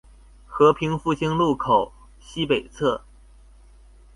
和平復興路口西北側